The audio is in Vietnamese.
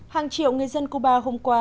hàng triệu người dân cuba hôm qua